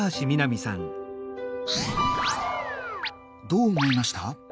どう思いました？